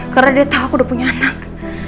karena dia tau aku udah punya anak